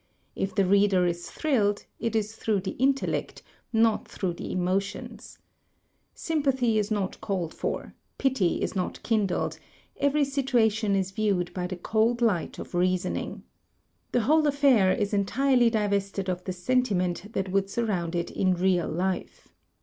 If the reader is thrilled, it is through the intellect, not through the emo tions. Sympathy is not called for; pity is not kindled; every 220 THE TECHNIQUE OF THE MYSTERY STORY situation is viewed by the cold light of reasoning. The whole affair is entirely divested of the sentiment that would sur round it in real life.